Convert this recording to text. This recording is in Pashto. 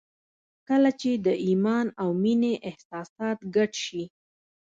کله چې د ایمان او مینې احساسات ګډ شي